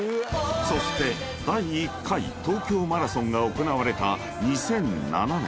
［そして第１回東京マラソンが行われた２００７年］